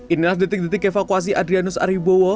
inilah detik detik evakuasi adrianus aribowo